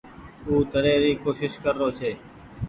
او تري ري ڪوشش ڪر رو ڇي۔